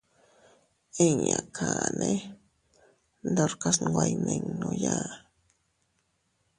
Inñakane ndorkas iynweiyninuya.